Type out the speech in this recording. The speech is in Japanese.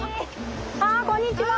あこんにちは。